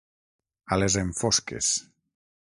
A les enfosques.